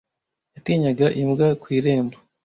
Yatinyaga imbwa ku irembo.